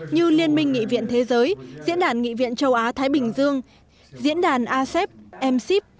như liên minh nghị viện thế giới diễn đàn nghị viện châu á thái bình dương diễn đàn asep mc